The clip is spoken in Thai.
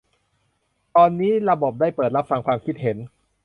ตอนนี้ระบบได้เปิดรับฟังความคิดเห็น